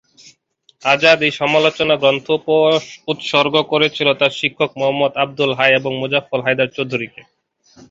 আজাদ এই সমালোচনা গ্রন্থ উৎসর্গ করেছেন তার শিক্ষক মুহম্মদ আবদুল হাই এবং মোফাজ্জল হায়দার চৌধুরীকে।